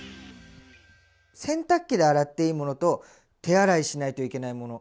洗濯機で洗っていいものと手洗いしないといけないもの